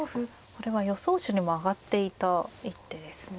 これは予想手にも挙がっていた一手ですね。